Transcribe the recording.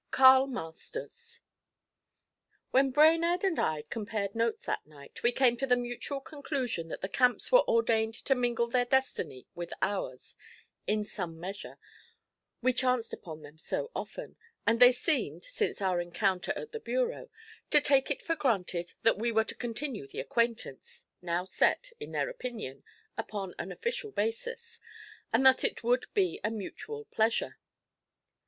CARL MASTERS. When Brainerd and I compared notes that night, we came to the mutual conclusion that the Camps were ordained to mingle their destiny with ours in some measure, we chanced upon them so often; and they seemed, since our encounter at the bureau, to take it for granted that we were to continue the acquaintance, now set, in their opinion, upon an official basis, and that it would be a mutual pleasure.